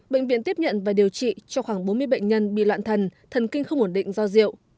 bệnh viện tiếp nhận và điều trị cho khoảng bốn mươi bệnh nhân bị loạn thần thần thần kinh không ổn định do rượu